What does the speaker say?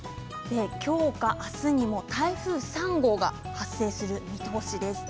今日か明日にも台風３号が発生する見通しです。